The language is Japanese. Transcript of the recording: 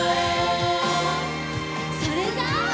それじゃあ。